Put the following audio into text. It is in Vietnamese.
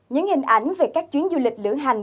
những hình ảnh về các chuyến du lịch lửa hành